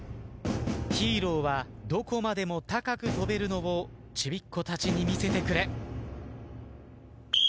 ヒーローはどこまでも高く跳べるのをちびっ子たちに見せてくれ。